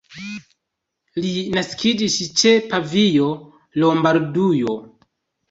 Li naskiĝis ĉe Pavio, Lombardujo.